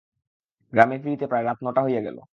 গ্রামে ফিরিতে রাত প্রায় নটা হইয়া গেল।